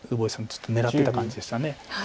ずっと狙ってた感じでした。